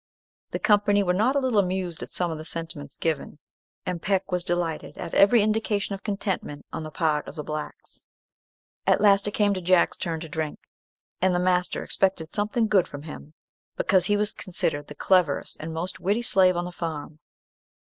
The company were not a little amused at some of the sentiments given, and Peck was delighted at every indication of contentment on the part of the blacks. At last it came to Jack's turn to drink, and the master expected something good from him, because he was considered the cleverest and most witty slave on the farm.